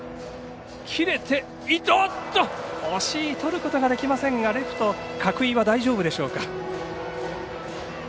切れて、おおっととることができませんがレフトの角井は大丈夫でしょうか。